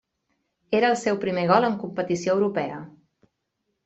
Era el seu primer gol en competició europea.